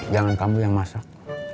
jangan kamu yang masak